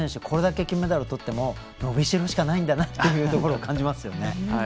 これだけ金メダルをとっても伸びしろしかないんだなと感じますよね。